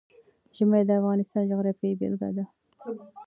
ژمی د افغانستان د جغرافیې بېلګه ده.